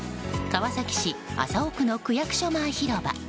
川崎市麻生区の区役所前広場。